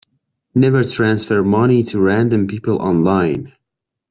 Never transfer money to random people online.